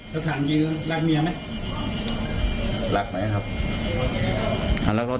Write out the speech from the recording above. จะถามเงินและเมียไหมแหลกไหมครับ